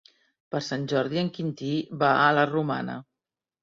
Per Sant Jordi en Quintí va a la Romana.